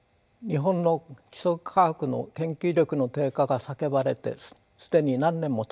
日本の基礎科学の研究力の低下が叫ばれて既に何年もたちました。